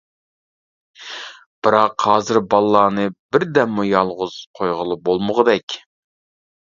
بىراق ھازىر بالىلارنى بىر دەممۇ يالغۇز قويغىلى بولمىغۇدەك.